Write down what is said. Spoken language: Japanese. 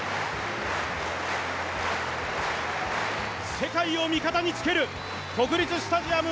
世界を味方に付ける国立スタジアム